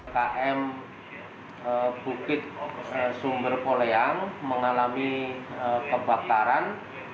km bukit sumber poleyang mengalami kebakaran